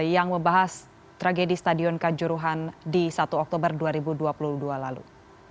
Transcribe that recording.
yang membahas tragedi stadion kanjuruhan di satu oktober dua ribu dua puluh dua lalu